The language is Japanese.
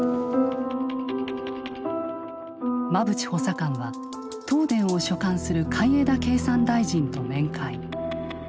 馬淵補佐官は東電を所管する海江田経産大臣と面会。